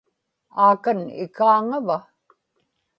aakan ikaaŋava